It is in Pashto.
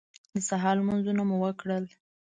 د سهار لمونځونه مو وکړل.